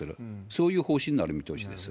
そういう方針になる見通しです。